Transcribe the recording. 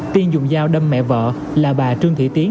tiên dùng dao đâm mẹ vợ là bà trương thị tiến